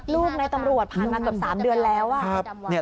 ลูกในตำรวจผ่านมาเกือบ๓เดือนแล้วอ่ะ